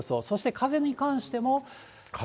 そして風に関しても。